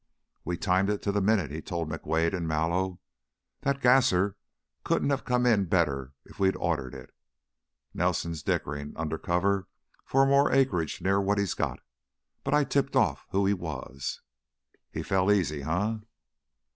"We timed it to the minute," he told McWade and Mallow. "That gasser couldn't have come in better if we'd ordered it. Nelson's dickering under cover for more acreage near what he's got, but I tipped off who he was." "He fell easy, eh?"